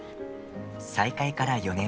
再会から４年。